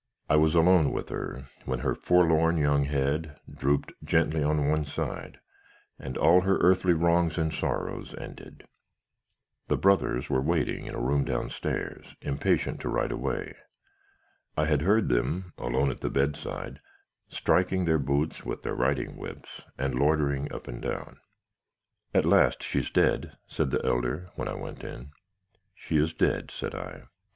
I was alone with her, when her forlorn young head drooped gently on one side, and all her earthly wrongs and sorrows ended. "The brothers were waiting in a room down stairs, impatient to ride away. I had heard them, alone at the bedside, striking their boots with their riding whips, and loitering up and down. "'At last she's dead?' said the elder, when I went in. "'She is dead,' said I.